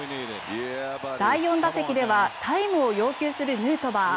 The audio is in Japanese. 第４打席ではタイムを要求するヌートバー。